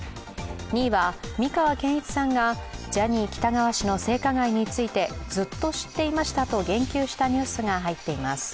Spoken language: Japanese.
２位は、美川憲一さんがジャニー喜多川氏の性加害についてずっと知っていましたと言及したニュースが入っています。